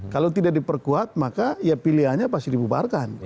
kalau tidak diperkuat maka ya pilihannya pasti dibubarkan